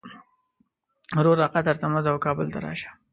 وروره قطر ته مه ځه او کابل ته راشه.